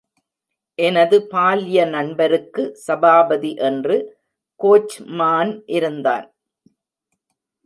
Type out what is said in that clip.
எனது பால்ய நண்பருக்கு, சபாபதி என்று கோச்மான் இருந்தான்.